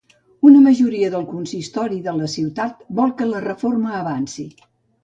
Una majoria del consistori i de la ciutat vol que la reforma avanci.